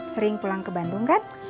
sering pulang ke bandung kan